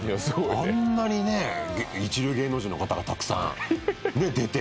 あんなにね、一流芸能人の方がたくさん出て。